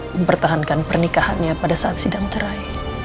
mempertahankan pernikahannya pada saat sidang cerai